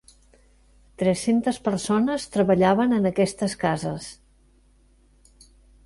Tres-centes persones treballaven en aquestes cases.